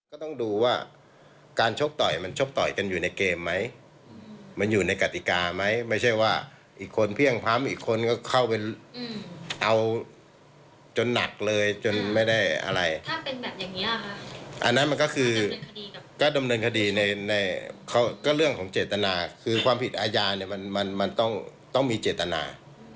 อันนั้นมันก็คือการดำเนินคดีก็เรื่องของเจตนาคือความผิดอายามันต้องมีเจตนา